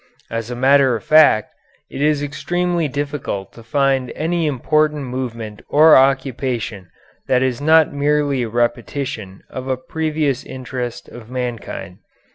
As a matter of fact, it is extremely difficult to find any important movement or occupation that is not merely a repetition of a previous interest of mankind.